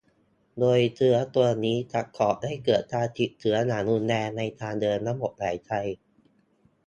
โดยเชื้อตัวนี้จะก่อให้เกิดการติดเชื้ออย่างรุนแรงในทางเดินระบบหายใจ